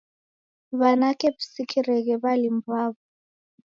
W'anake w'isikireghe w'alimu w'aw'o